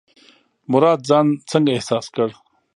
مراد ځان څنګه احساس کړ؟